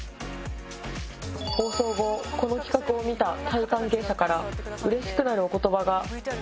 放送後、この企画を見たタイ関係者からうれしくなるお言葉が。